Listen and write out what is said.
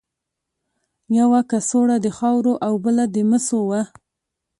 یوه کڅوړه د خاورو او بله د مسو وه.